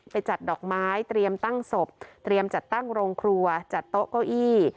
จัดดอกไม้เตรียมตั้งศพเตรียมจัดตั้งโรงครัวจัดโต๊ะเก้าอี้